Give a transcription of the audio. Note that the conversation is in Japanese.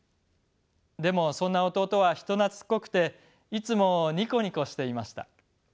でもそんな弟は人懐っこくていつもニコニコしていました。